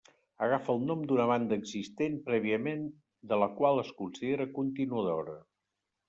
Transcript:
Agafa el nom d'una banda existent prèviament de la qual es considera continuadora.